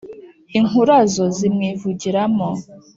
Inkurazo zimwivugiramo;